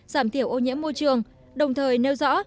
giảm thiểu ô nhiễm môi trường đồng thời nêu rõ